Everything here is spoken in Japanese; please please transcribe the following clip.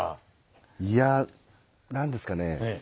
いや何ですかねぇ。